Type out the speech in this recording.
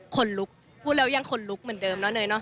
คนลุกพูดแล้วยังขนลุกเหมือนเดิมนะเนยเนอ